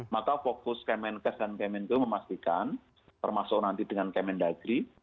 maka fokus kemenkes dan kemenkeu memastikan termasuk nanti dengan kemendagri